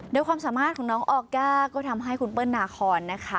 โดยความสามารถของน้องออก้าก็ทำให้คุณเปิ้ลนาคอนนะคะ